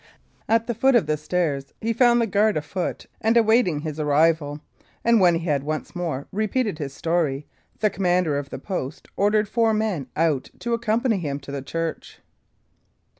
At the foot of the stair he found the guard afoot and awaiting his arrival; and when he had once more repeated his story, the commander of the post ordered four men out to accompany him to the church.